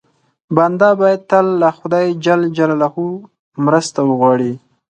بنده باید تل له خدای ج مرسته وغواړي.